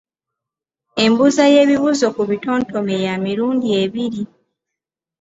Embuuza y’ebibuuzo ku bitontome ya mirundi ebiri.